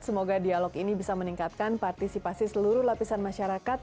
semoga dialog ini bisa meningkatkan partisipasi seluruh lapisan masyarakat